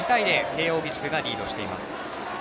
慶応義塾がリードしています。